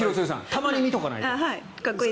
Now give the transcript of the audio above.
たまに見ておかないと。